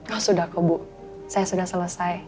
oh sudah kebu saya sudah selesai